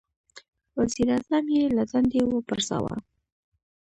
• وزیر اعظم یې له دندې وپرځاوه.